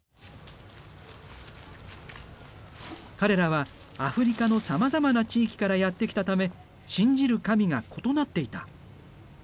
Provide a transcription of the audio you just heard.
彼らはアフリカのさまざまな地域からやって来たため信じる神が異なっていた。